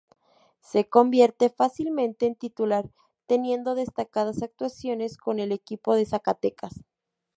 Se convierte fácilmente en titular, teniendo destacadas actuaciones con el equipo de Zacatecas.